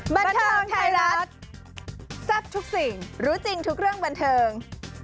บันเทิงไทยรัฐแซ่บทุกสิ่งรู้จริงทุกเรื่องบันเทิง